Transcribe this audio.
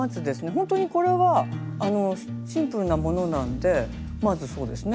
ほんとにこれはシンプルなものなんでまずそうですね。